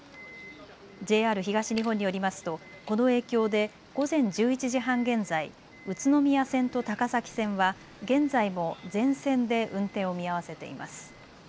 ＪＲ東日本によりますとこの影響で午前１１時半現在、宇都宮線と高崎線は現在も全線で運転を見合わせています。